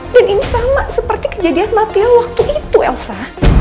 dan ini sama seperti kejadian mati yang waktu itu elsa